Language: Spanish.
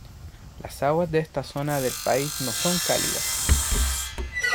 Las aguas de esta zona del país no son cálidas.